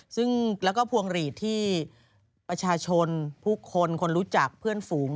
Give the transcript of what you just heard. ซึ่งแล้วก็พวงหลีดที่ประชาชนผู้คนคนรู้จักเพื่อนฝูง